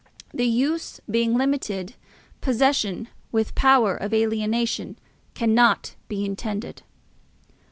The use being limited, possession with power of alienation cannot be intended.